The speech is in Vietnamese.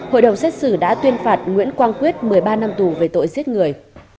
hội đồng xét xử đã tuyên phạt nguyễn quang quyết một mươi ba năm tù về tội giết người